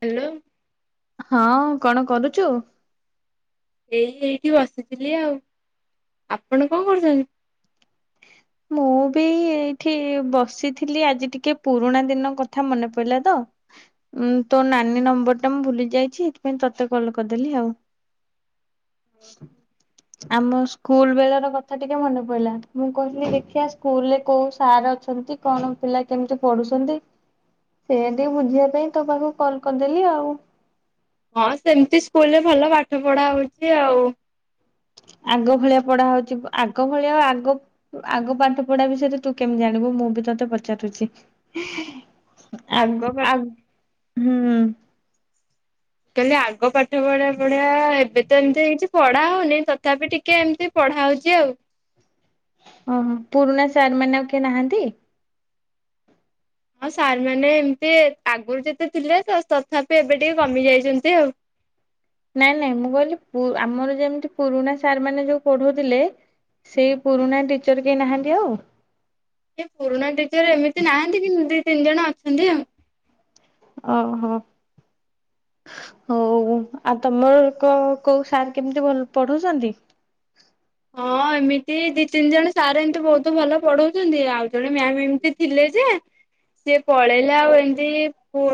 Hello ହଁ କଣ କରୁଛୁ ଏଇ ଏଇଠି ବସିଥିଲି ଆଉ ଆପଣ କଣ କରୁଛନ୍ତି ମୁଁ ବି ଏଇଠି ବସିଥିଲି ଆଜି ଟିକେ ପୁରୁଣା ଦିନ କଥା ମନେ ପଡିଲା ତ ଉ ତୋ ନାନୀ ନମ୍ବର ଟା ମୁଁ ଭୁଲି ଯାଇଛି ଏଥିପାଇଁ ତତେ କଲ କରିଦେଲି ଆଉ ଆମ ସ୍କୁଲ ବେଳ ର କଥା ଟିକେ ମନେ ପଡିଲା ମୁଁ କ ଦେଖିବା ସ୍କୁଲରେ କୋଉ ସାର୍ ଅଛନ୍ତି କଣ ପିଲା କେମିତି ପଢୁଛନ୍ତି ସେୟାଟିକେ ବୁଝିବା ପାଇଁ ତୋ ପାଖକୁ କଲ କରିଦେଲି ଆଉ ହଁ ସେମିତି ସ୍କୁଲରେ ଭଲ ପାଠ ପଢା ହଉଛି ଆଉ ଆଗ ଭଳିଆ ପଢା ହଉଛି ଆଗ ଭଳିଆ ଆଉ ଆଗ ଆଗ ପାଠ ପଢା ବିଷୟରେ ତୁ କେମିତି ଜାଣିବୁ ମୁଁ ବି ତତେ ପଚାରୁଛି ଆ ଆଗ ପା ଆ ହୁଁ। କହିଲି ଆଗ ପାଠ ପଢଆ ପଢିଆ ଏବେ ତ ଏମିତି ହେଇଛି ପଢା ହଉନି ତଥାପି ଟିକେ ଏମିତି ପଢା ହଉଛି ଆଉ। ଓ ହୋ ପୁରୁଣା ସାର୍ ମାନେ ଆଉ କିଏ ନାହାନ୍ତି? ହଁ ସାର୍ ମାନେ ଏମିତି ଆଗରୁ ଯେତେ ଥିଲେ ତଥାପି ଏବେ ଟିକେ କମି ଯାଇଛନ୍ତି ଆଉ। ନାଇଁ ନାଇଁ ମୁଁ କହିଲି ଆମର ଯେମିତି ପୁରୁଣା ସାର୍ ମାନେ ଯୋଉ ପଢୁଥିଲେ ସେଇ ପୁରୁଣା ଟିଚର କେହି ନାହାନ୍ତି ଆଉ? ଏ ପୁରୁଣା ଟିଚର ଏମିତି ନାହାନ୍ତି। କିମତି ତିନି ଜଣ ଅଛନ୍ତି ଆଉ। ଓହୋ ହଉ ଆଉ ତମର କୋଉ ସାର୍ କେମିତି ଭଲ ପଢଉଛନ୍ତି। ହଁ ଏମିତି ଦି ତିନି ଜଣ ସାର୍ ଏମିତି ବହୁତ ଭଲ ପଢଉଛନ୍ତି ଆଉ। ଜଣେ ମ୍ୟାମ ଏମିତି ଥିଲେ ଯେ ସେ ପଳେଇଲେ ଆଉ ଏମିତି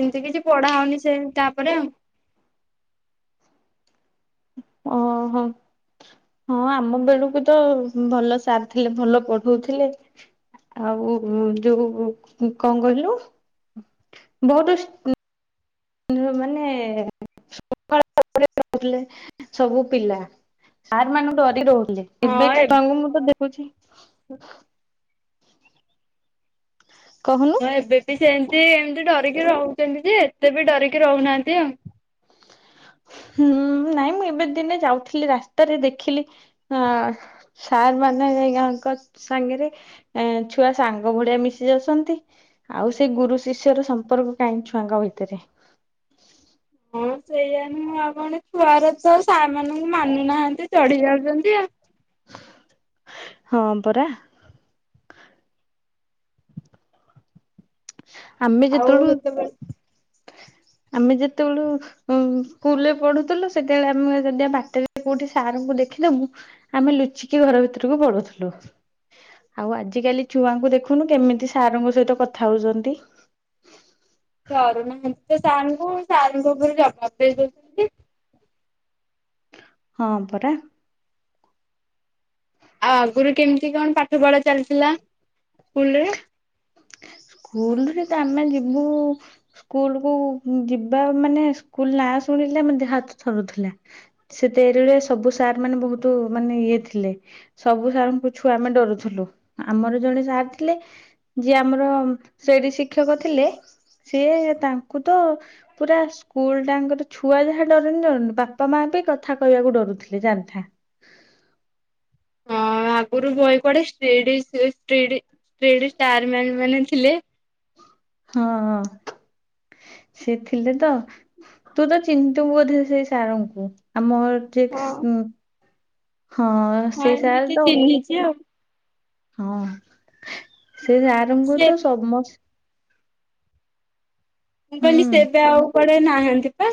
ଏମତି କିଛି ପଢା ହଉନି ସେ ତାପରେ ଆଉ। ଓହୋ ହଁ ଆମ ବେଳୁକୁ ତ ଭଲ ସାର ଥିଲେ ଭଲ ପଢଉଥିଲେ ଆଉ ଯୋଉ କଣ କହିଲୁ ବହୁତ ମାନେ [inaudible] ହୁଥିଲେ ସବୁ ପିଲା ସାର୍ ମାନଙ୍କୁ ଡରି ରହୁଥିଲେ। ଏବେ ଟା ତାଙ୍କୁ ମୁଁ ତ ଦେ ହୋଉଛି। ହଁ କହୁନୁ। ମୁଁ ଏବେ ବି ସେମିତି ଏମିତି ଡରିକି ରହୁଛନ୍ତି ଯେ ଏତେ ବି ଡରିକି ରହୁନାହାନ୍ତି ଆଉ। ହୁଁ ନାଇଁ ମୁଁ ଏବେ ଦିନେ ଯାଉଥିଲି ରାସ୍ତାରେ ଦେଖିଲି ସାର୍ ମାନେଙ୍କ ସାଙ୍ଗରେ ଛୁଆ ସାଙ୍ଗ ଭଳିଆ ମିଶି ଯାଉଛନ୍ତି ଆଉ ସେ ଗୁରୁ ଶିଷ୍ୟର ସମ୍ପର୍କ କାହିଁକି ଛୁଆଙ୍କ ଭିତରେ ହଁ ସେଇଆ ନୁହଁ ଆ କଣ ଛୁଆର ତ ସାର୍ ମାନଙ୍କୁ ମାନୁନାହାନ୍ତି ଚଢିଯାଉ ରନ୍ତି ଆ ହଁ ପରା। ଆମେ ଆଉ ଯେତେବେଳୁ ସେତବେ ଆମେ ଯେତେବେଳୁ ସ୍କୁଲରେ ପଢୁଥିଲୁ ସେତେବେଳେ ଆମେ ଯଦି ବାଟରେ କୋଉଠି ସାରଙ୍କୁ ଦେଖିଦବୁ ଆମେ ଲୁଚିକି ଘର ଭିତରକୁ ପଳଉଥିଲୁ ଆଉ ଆଜି କାଲି ଛୁଆଙ୍କୁ ଦେଖୁନୁ କେମିତି ସାରଙ୍କ ସହିତ କଥା ହଉଛନ୍ତି। ଡରୁନାହାନ୍ତି ତ ସାର୍ ଙ୍କୁ ସାର୍ ଙ୍କୁ ଉପରେ ଜବାବ ଦେଇ ଦଉଛନ୍ତି। ହଁ ପରା। ଆଉ ଆଗରୁ କେମିତି କଣ ପାଠ ପଢା ଚାଲିଥିଲା ସ୍କୁଲରେ? ସ୍କୁଲ ସେ ତ ଆମେ ଯିବୁ ସ୍କୁଲ କୁ ଯିବା ମାନେ ସ୍କୁଲ ନା ଶୁଣିଲେ ଆମ ଦେହ ହାତ ଥରୁଥିଲା। ସେତେରିଳେ ସବୁ ସାର୍ ମାନେ ବହୁତ ମାନେ ଇଏ ଥିଲେ ସବୁ ସାର୍ ଙ୍କୁ ଛୁଆ ଆମେ ଡରୁଥିଲୁ ଆମର ଜଣେ ସାର୍ ଥିଲେ ଯିଏ ଆମର ସେଇଠି ଶିକ୍ଷକ ଥିଲେ ସିଏ ତାଙ୍କୁ ତ ପୁରା ସ୍କୁଲ ଟାଙ୍କର ଛୁଆ ଯାହା ଡରନି ଡରନି ବାପା ମା ବି କଥା କହିବାକୁ ଡରୁଥିଲେ ଜାଣିଥା। ହଁ ଆଗରୁ ବହି କଡେ ସ୍ତ୍ରିଡ ଷ୍ଟ୍ରିଡ ସ୍ତ୍ରୀଡ ସାରେ ମାନେ ଥିଲେ। ହଁ ହ ସେ ଥିଲେ ତ ତୁ ତ ଚିନ୍ତିବୁ ବୋଧେ ସେ ସାରଙ୍କୁ ଆମ ଯେ ହଁ ହମ୍ ହଁ ହଁ ସେଇ ସାର୍ ଏମିତି ତ ଚିହ୍ନିଛି ଆଉ। ହଁ ସେ ଆରମ୍କୁ ସେ ତ ସମସ୍ତେ ମୁଁ କହିଲି ହୁଁ ସେ ଏବେ ଆଉ ପଳେଇ ନାହାନ୍ତି ପା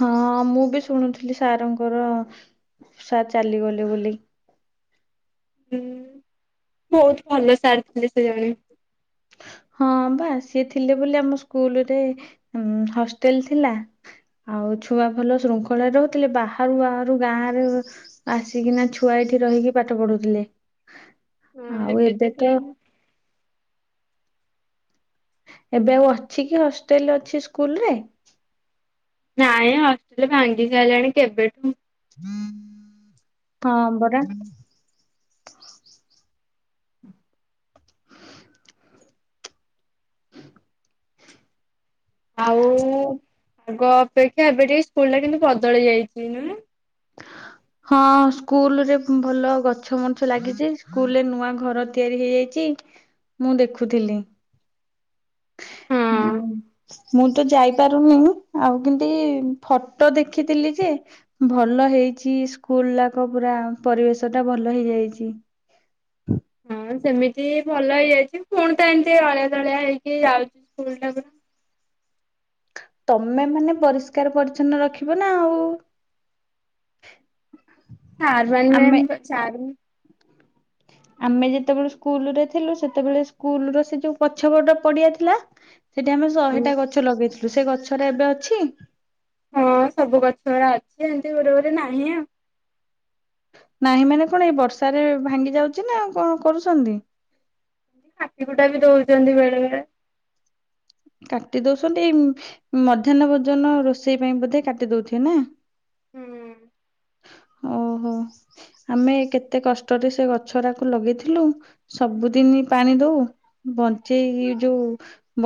ହଁ ମୁଁ ବି ଶୁଣୁଥିଲି ସାର ଙ୍କର ସାର୍ ଚାଲିଗଲେ ବୋଲି। ହୁଁ ବହୁତ ଭଲ ସାର ଥିଲେ ସେ ଜଣେ। ହଁ ବା ସିଏ ଥିଲେ ବୋଲି ଆମ ସ୍କୁଲ ରେ ହଷ୍ଟେଲ ଥିଲା ଆଉ ଛୁଆ ଭଲ ଶୃଙ୍ଖଳାରେ ରହୁଥିଲେ ବାହାରୁ ବାହାରୁ ଗାଁ ରେ ଆସିକିନା ଛୁଆ ଏଇଠି ରହିକି ପାଠ ପଢୁଥିଲେ ଆଉ ଏବେ ତ ଏବେ ଆଉ ଅଛି କି ହଷ୍ଟେଲ ଅଛି ସ୍କୁଲ ରେ ନାଇଁ ହଷ୍ଟେଲ ଭାଙ୍ଗି ସାରିଲାଣି କେବେଠୁ ହଁ ବରା ଆଉ ଆଗ ଅପେକ୍ଷା ଏବେ ଟିକେ ସ୍କୁଲ ଟା କିୁ ବଦଳି ଯାଇଛି ନା ହଁ ସ୍କୁଲରେ ଭଲ ଗଛ ମଣିଛ ଲାଗିଛି ସ୍କୁଲରେ ନୂଆ ଘର ତିଆରି ହେଇଯାଇଛି ମୁଁ ଦେଖୁଥିଲି ହୁଁ ହଁ ମୁଁ ତ ଯାଇପାରୁନି ଆଉ କେମତି ଫଟୋ ଦେଖିଥିଲି ଯେ ଭଲ ହେଇଛି ସ୍କୁଲ ଯାକ ପୁରା ପରିବେଶ ଟା ଭଲ ହେଇ ଯାଇଛି ହଁ ସେମିତି ଭଲ ହେଇଯାଇଛି ପୁଣି ତ ଏମିତି ଅଳିଆ ତଳିଆ ହେଇକି ଯାଉଛି ସ୍କୁଲ ଟାକୁ ତମେ ମାନେ ପରିଷ୍କାର ପରିଚ୍ଛନ୍ନ ରଖିବ ନା ଆଉ ଚାର ମ ଆମେ ମ ଚାର ଆମେ ଯେତେବେଳେ ସ୍କୁଲ ରେ ଥିଲୁ ସେତେବେଳେ ସ୍କୁଲ ର ସେ ଯୋଉ ପଛ ଗଟା ପଡିଆ ଥିଲା ସେଠି ଆମେ ଶହେଟା ଗଛ ଲଗେଇଥିଲୁ ୁ ସେ ଗଛରେ ଏବେ ଅଛି ହଁ ସବୁ ଗଛ ଗଡା ଅଛି ଏମିତି ଗୋଟେ ଗୋଟେ ନାହିଁ ଆଉ ନାହିଁ ମାନେ କଣ ଏଇ ବର୍ଷାରେ ଭାଙ୍ଗି ଯାଉଛି ନା କଣ କରୁଛନ୍ତି ହାଟି କୁଟା ବି ଦଉଛନ୍ତି ବେଳେ ବେଳେ କାଟି ଦଉଛନ୍ତି ଏଇ ମଧ୍ୟାହ୍ନ ଭୋଜନ ରୋଷେଇ ପାଇଁ ବୋଧେ କାଟି ଦଉଥିବେ ନା ହୁଁ ଓହୋ ଆମେ କେତେ କଷ୍ଟରେ ସେ ଗଛ ଟାକୁ ଲଗେଇଥିଲୁ ସବୁଦିନ ପାଣି ଦଉ ବଞ୍ଚେଇ ଯୋଉ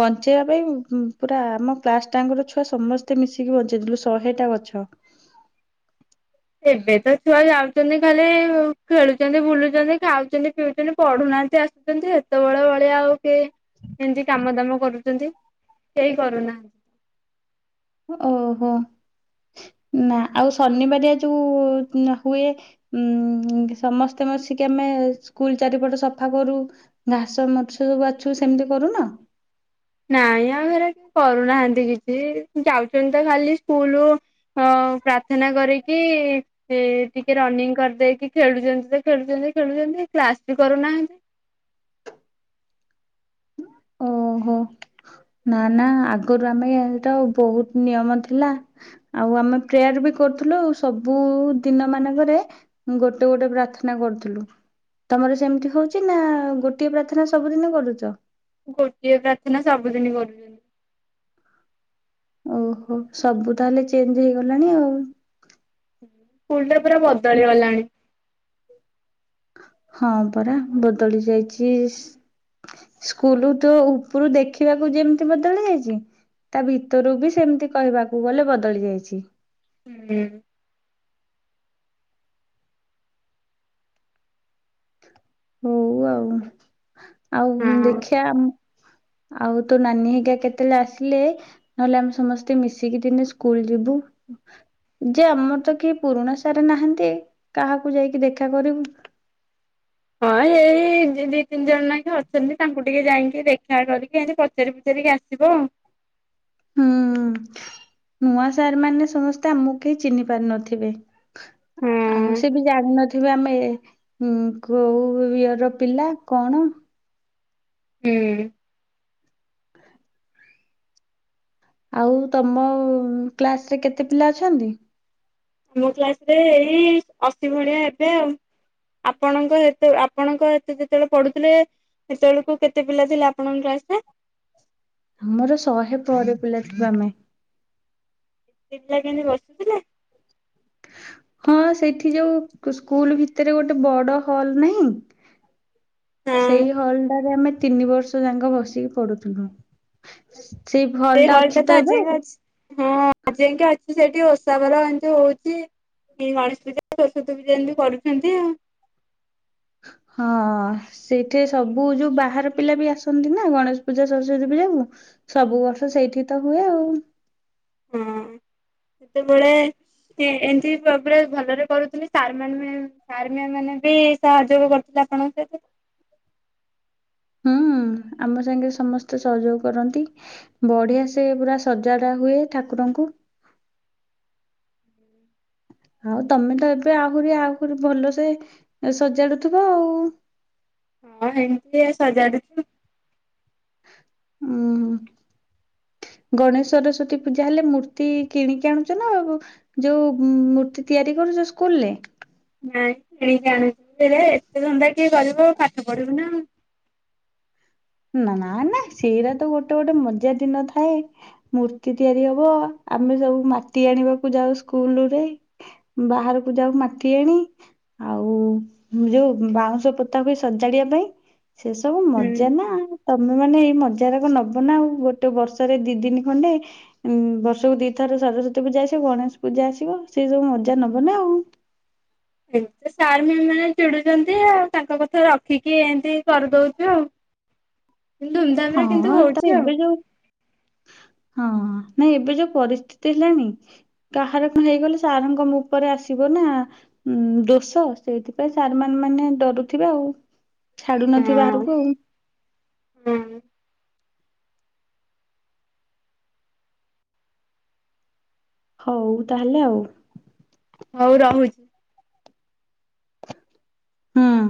ବଞ୍ଚେଇବା ପାଇଁ ପୁରା ଆମ କ୍ଲାସ ଟାଙ୍କର ଛୁଆ ସମସ୍ତେ ମିଶିକି ବଞ୍ଚେଇଥିଲୁ ଶହେ ଟା ଗଛ ଏବେ ତ ଛୁଆ ଯାଉଛନ୍ତି ଖାଲି ଖେଳୁଛନ୍ତି ବୁଲୁଛନ୍ତି ଖାଉଛନ୍ତି ପିଉଛନ୍ତି ପଢୁନାହାନ୍ତି ଆସୁଛନ୍ତି ସେତେବେଳେ ଭଳିଆ ଆଉ ଟେ ଏମତି କାମ ଦାମ କରୁ ସେଇ କରୁନାହାନ୍ତି ଓହୋ ନା ଆଉ ଶନିବାରଆ ଯୋଉ ହୁଏ ଉ ସମସ୍ତେ ବସିକି ଆମେ ସ୍କୁଲ ଚାରିପଟ ସଫା କରୁ ଘାସ ମଛ ସବୁ ଆଛୁ ସେମିତି କରୁନ ନାଇଁ ଆମ ଘରେ କରୁନାହାନ୍ତି କିଛି ଯାଉଛନ୍ତି ତ ଖାଲି ସ୍କୁଲୁ ପ୍ରାର୍ଥନା କରିକି ଟିକେ ରନିଂ କରିଦେଇକି ଖେଳୁଛନ୍ତି ତ ଖେଳୁଛନ୍ତି ଖେଳୁଛନ୍ତି କ୍ଲାସ ବି କରୁନାହାନ୍ତି ଓହୋ ନା ନା ଆଗରୁ ଆମେଟା ବହୁତ ନିୟମ ଥିଲା ଆଉ ଆମେ ପ୍ରେୟାର ବି କରୁଥିଲୁ ସବୁ ଦିନ ମାନଙ୍କରେ ଗୋଟେ ଗୋଟେ ପ୍ରାର୍ଥନା କରୁଥିଲୁ ତମର ସେମିତି ହଉଛି ନା ଗୋଟିଏ ପ୍ରାର୍ଥନା ସବୁଦିନ କରୁଛ ଗୋଟିଏ ପ୍ରାର୍ଥନା ସବୁଦିନ କରୁଛନ୍ତି ଓହୋ ସବୁ ତାହେଲେ ଚେଞ୍ଜ ହେଇଗଲାଣି ଆଉ ସ୍କୁଲ ଟା ପୁରା ବଦଳି ଗଲାଣି ହଁ ପରା ବଦଳି ଯାଇଛି ସ୍କୁଲ ତ ଉପରୁ ଦେଖିବାକୁ ଯେମିତି ବଦଳି ଯାଇଛି ତା ଭିତରୁ ବି ସେମତି କହିବାକୁ ଗଲେ ବଦଳି ଯାଇଛି ହୁଁ ହଉ ଆଉ ଆଉ ହଁ। ଦେଖିବା ଆଉ ତୋ ନାନୀ ହେଇକା କେତେବେଳେ ଆସିଲେ ନହେଲେ ଆମେ ସମସ୍ତେ ମିଶିକି ଦିନେ ସ୍କୁଲ ଯିବୁ ଯେ ଆମର ତ କି ପୁରୁଣା ସାର ନାହାନ୍ତି କାହାକୁ ଯାଇକି ଦେଖା କରିବୁ ହଁ ଏଇ ଦି ତିନି ଜଣାଗ ଅଛନ୍ତି ତାଙ୍କୁ ଟିକେ ଯାଇକି ଦେଖା କରିକି ପଚାରି ପଚାରିକି ଆସିବ ହୁଁ ନୂଆ ସାର୍ ମାନେ ସମସ୍ତେ ଆମକୁ କେହି ଚିହ୍ନି ପାରୁ ନଥିବେ। ହଁ। ଆଉ ସେ ବି ଜାଣିନଥିବେ ଆମେ ହଁ କୋଉ ଇଅର ପିଲା କଣ ହୁଁ। ଆଉ ତମ କ୍ଲାସ ରେ କେତେ ପିଲା ଅଛନ୍ତି। ଆମ କ୍ଲାସ ରେ ଏଇ ଅଶୀ ଭଳିଆ ହେବେ ଆଉ। ଆପଣଙ୍କ ହେତ ଆପଣଙ୍କ ଏତ ଯେତେବେଳେ ପଢୁଥିଲେ ସେତେବେଳକୁ କେତେ ପିଲା ଥିଲେ ଆପଣଙ୍କ କ୍ଲାସ୍ ରେ। ଆମର ଶହେ ପରେ ପିଲା ଥିବା ଆମେ। ଏ ପିଲା କେମିତି ବସୁଥିଲେ। ହଁ ସେଠି ଯୋଉ ସ୍କୁଲ ଭିତରେ ଗୋଟେ ବଡ ହଲ ନାହିଁ। ହଁ। ସେଇ ହଲଡାରେ ଆମେ ତିନି ବର୍ଷ ଯାକ ବସିକି ପଡୁଥିଲୁ। ସେ ହଲଟା ତ ଆଜିଯାଏ ଅଛି। ହଁ ଯାଇକି ଅଛି ସେଇଠି ଓଷାବାର ଏମିତି ହଉଛି ଗଣେଶ ପୂଜା ସରସ୍ଵତୀ ପୂଜା ଏମତି କରୁଛନ୍ତି ଆଉ। ହଁ ସେଇଠି ସବୁ ଯୋଉ ବାହାର ପିଲା ବି ଆସନ୍ତି ନା ଗଣେଶ ପୂଜା ସରସ୍ଵତୀ ପୂଜା କୁ ସବୁ ବର୍ଷ ସେଇଠି ତ ହୁଏ ଆଉ। ହଁ ସେତେବେଳେ ଏମିତି ସ ଭଲରେ କରୁଥିଲି ସାର୍ ସାନେ ମ୍ୟାମ୍ ମାନେ ବି ସହଯୋଗ କରୁଥିଲେ ଆପଣଙ୍କ ସହିତ। ହୁଁ ଆମ ସାଙ୍ଗେ ସମସ୍ତେ ସହଯୋଗ କରନ୍ତି ବଢିଆ ସେ ପୁରା ସଜାଡା ହୁଏ ଠାକୁରଙ୍କୁ। ଆଉ ତମେ ତ ଏବେ ଆହୁରି ଆହୁରି ଭଲସେ ସଜାଡୁଥିବ ଆଉ। ହଁ ଏମିତି ସଜାଡୁଚୁ। ହଁ ଗଣେଶ ସରସ୍ଵତୀ ପୂଜା ହେଲେ ମୂର୍ତ୍ତି କିଣିକି ଆଣୁଛ ନା ଯୋଉ ମୂର୍ତ୍ତି ତିଆରି କରୁଛ ସ୍କୁଲ୍ ରେ। ନାଇଁ କିଣିକି ଆଣିଛ ଏତେ ଧନ୍ନ୍ଦା କିଏ କରିବ ପାଠ ପଢିବୁ ନା। ନା ନା ସେଇଟା ତ ଗୋଟେ ଗୋଟେ ମଜା ଦିନ ଥାଏ ମୂର୍ତ୍ତି ତିଆରି ହବ ଆମେ ସବୁ ମାଟି ଆଣିବାକୁ ଯାଉ ସ୍କୁଲରେ ବାହାରକୁ ଯାଉ ମାଟି ଆଣି ଆଉ ଯୋଉ ବାଉଁଶ ପୋତାକୁ ସଜାଡିବା ପାଇଁ। ସେ ସବୁ ହୁଁ। ମଜା ନା ତମେ ମାନେ ଏଇ ମଜା ଯାକ ନବ ନା ଆଉ ଗୋଟେ ବର୍ଷରେ ଦି ଦିନ ଖଣ୍ଡେ ଉଁ ବର୍ଷକୁ ଦିଥର ସରସ୍ଵତୀ ପୂଜା ଆସିବ ଗଣେଶ ପୂଜା ଆସିବ ସେଇ ସବୁ ମଜା ନବ ନା ଆଉ। ଏମ ସାର ମ୍ୟମ୍ ମନେ ଚିଡୁଛନ୍ତି ଆଉ ତାଙ୍କ କଥା ରଖିକି ଏମତି କରିଦଉଚୁ ଆଉ। ଧୁମ୍ ଧାମରେ ହଁ କିନ୍ତୁ ତ ହଉଛି ଏବେ ଆଉ। ଯୋଉ ହଁ ନାଇଁ ଏବେ ଯୋଉ ପରିସ୍ଥିତି ହେଲାଣି କାହାର କଣ ହେଇଗଲେ ସାରଙ୍କ ଉପରେ ଆସିବ ନା ଦୋଷ ସେଇଥିପାଇଁ ସାର୍ ମାନ ମାନେ ଡରୁଥିବେ ଆଉ। ଛାଡୁନଥିବେ ହଁ ବାହାରକୁ ଆଉ। ହଁ। ହଉ ତାହେଲେ ଆଉ। ହଉ ରହୁଚି। ହଁ।